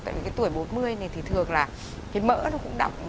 tại vì cái tuổi bốn mươi này thì thường là cái mỡ nó cũng đọc